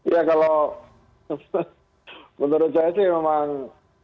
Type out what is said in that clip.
ya kalau menurut saya sih memang